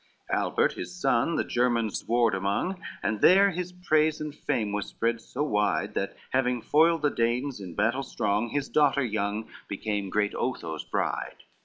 LXXVI Albert his son the Germans warred among, And there his praise and fame was spread so wide, That having foiled the Danes in battle strong, His daughter young became great Otho's bride.